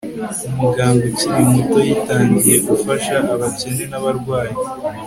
umuganga ukiri muto yitangiye gufasha abakene n'abarwayi